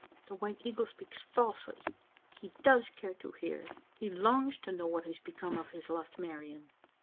"The White Eagle speaks falsely! He does care to hear. He longs to know what has become of his lost Marian.